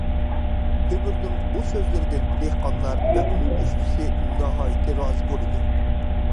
تۆمۈرنىڭ بۇ سۆزلىرىدىن دېھقانلار ۋە ئۇنىڭ ئۇستىسى ناھايىتى رازى بولىدۇ.